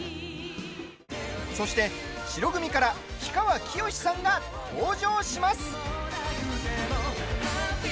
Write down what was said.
そして、白組から氷川きよしさんが登場します。